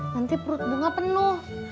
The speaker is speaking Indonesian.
nanti perut bunga penuh